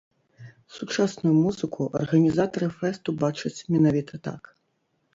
Сучасную музыку арганізатары фэсту бачаць менавіта так.